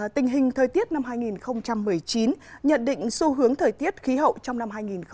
tình hình thời tiết năm hai nghìn một mươi chín nhận định xu hướng thời tiết khí hậu trong năm hai nghìn hai mươi